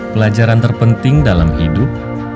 pelajaran terpenting dalam hidup